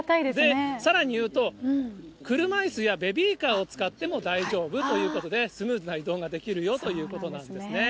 さらに言うと、車いすやベビーカーを使っても大丈夫ということで、スムーズな移動ができるよということなんですね。